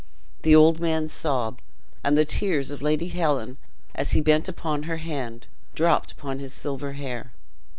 The old man sobbed; and the tears of Lady Helen, as he bent upon her hand, dropped upon his silver hair.